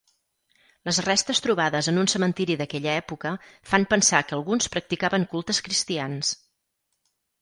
Les restes trobades en un cementiri d'aquella època fan pensar que alguns practicaven cultes cristians.